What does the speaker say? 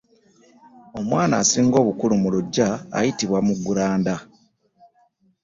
Omwana asinga obukulu mu luggya ayitibwa muggulanda.